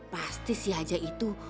pasti si hajah itu